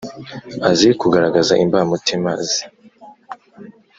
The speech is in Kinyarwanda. –azi kugaragaza imbamutima ze;